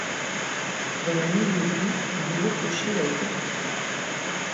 Dans le milieu du un nouveau clocher a été construit.